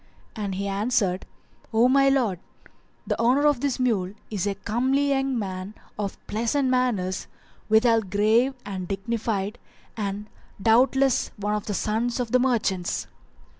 and he answered, "O my lord, the owner of this mule is a comely young man of pleasant manners, withal grave and dignified, and doubtless one of the sons of the merchants."